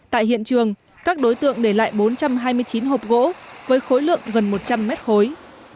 tại hiện trường các đối tượng để lại bốn trăm hai mươi chín hộp gỗ với khối lượng gần một trăm linh mét khối